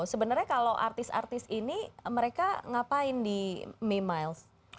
sebenarnya kalau artis artis ini mereka ngapain di memiles